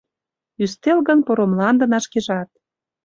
Ӱстел гын поро мландына шкежат.